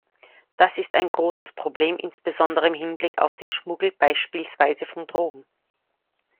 Das ist ein großes Problem, insbesondere im Hinblick auf den Schmuggel, beispielsweise von Drogen.